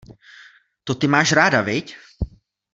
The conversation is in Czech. To ty máš ráda, viď?